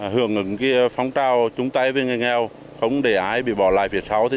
hưởng ứng phong trao chúng ta với người nghèo không để ai bị bỏ lại việc sau